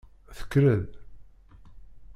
Tekker-d.